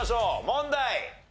問題。